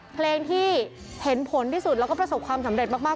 เพลงที่เห็นผลที่สุดแล้วก็ประสบความสำเร็จมาก